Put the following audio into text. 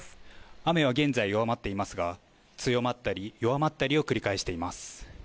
雨は現在弱まっていますが強まったり弱まったりを繰り返しています。